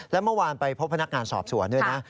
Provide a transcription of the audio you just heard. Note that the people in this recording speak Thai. แล้วเมื่อวานไปพบพนักงานสอบสวนด้วยนะ